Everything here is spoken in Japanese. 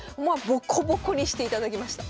ボコボコにしていただきました。